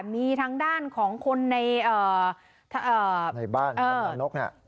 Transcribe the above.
มีทางด้านของคนในในบ้านน้ำนกเนี่ย